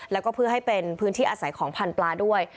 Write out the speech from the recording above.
แล้วก็เพื่อให้เป็นพื้นที่อาศัยของพันธุ์ปลาด้วย